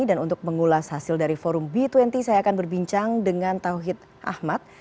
dan untuk mengulas hasil dari forum b dua puluh saya akan berbincang dengan tauhid ahmad